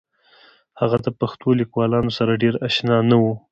هغه د پښتو لیکوالانو سره ډېر اشنا نه و